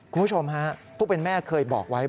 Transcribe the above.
คุณผู้ชมฮะผู้เป็นแม่เคยบอกไว้